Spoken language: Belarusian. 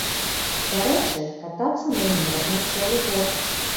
Дарэчы, катацца на ім можна цэлы год.